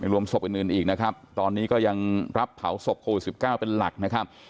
รวมศพอื่นอีกนะครับตอนนี้ก็ยังรับเผาศพโควิด๑๙เป็นหลักนะครับ